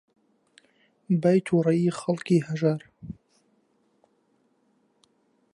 بای تووڕەیی خەڵکی هەژار